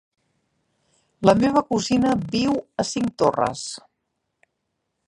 La meva cosina viu a Cinctorres.